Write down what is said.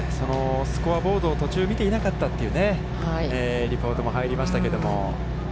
スコアボードを途中、見ていなかったという、リポートも入りましたけども。